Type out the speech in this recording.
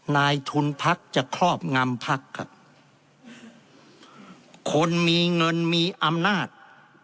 นายทุนพักจะครอบงำพักครับคนมีเงินมีอำนาจ